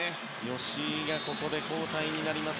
吉井がここで交代になります。